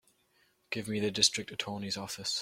Give me the District Attorney's office.